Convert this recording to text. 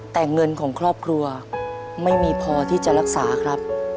แต่เงินของครอบครัวไม่มีพอที่จะรักษาครับ